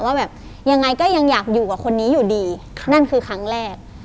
ว่าแบบยังไงก็ยังอยากอยู่กับคนนี้อยู่ดีนั่นคือครั้งแรก